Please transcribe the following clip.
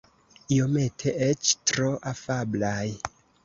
Iomete eĉ tro afablaj.